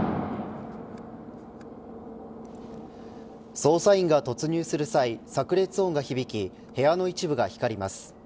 捜査員が突入する際さく裂音が響き部屋の一部が光ります。